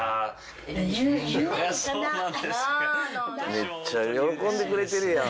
メッチャ喜んでくれてるやん！